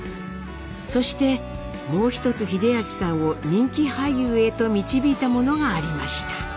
そしてもう一つ英明さんを人気俳優へと導いたものがありました。